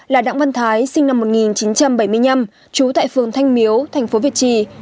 là đặng văn thái sinh năm một nghìn chín trăm bảy mươi năm trú tại phường thanh miếu thành phố việt trì